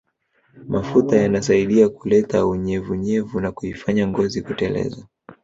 Mafuta yanasaidia kuleta unyevunyevu na kuifanya ngozi kuteleza